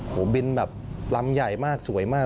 โอ้โหบินแบบลำใหญ่มากสวยมาก